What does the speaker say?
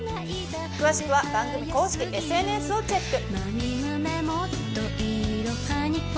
詳しくは番組公式ＳＮＳをチェック！